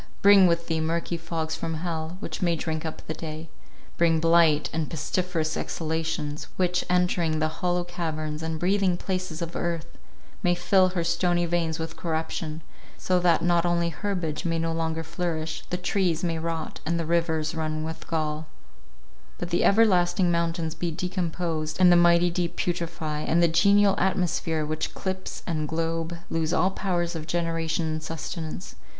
Bring with thee murky fogs from hell, which may drink up the day; bring blight and pestiferous exhalations, which, entering the hollow caverns and breathing places of earth, may fill her stony veins with corruption, so that not only herbage may no longer flourish, the trees may rot, and the rivers run with gall—but the everlasting mountains be decomposed, and the mighty deep putrify, and the genial atmosphere which clips the globe, lose all powers of generation and sustenance.